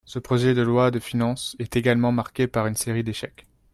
Ce projet de loi de finances est également marqué par une série d’échecs.